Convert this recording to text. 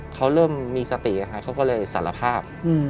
เขาเริ่มมีสติเขาก็เลยสารภาพ